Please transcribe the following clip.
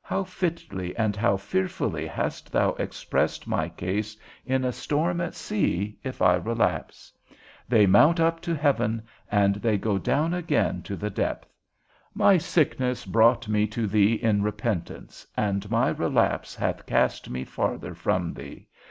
How fitly and how fearfully hast thou expressed my case in a storm at sea, if I relapse; They mount up to heaven, and they go down again to the depth! My sickness brought me to thee in repentance, and my relapse hath cast me farther from thee.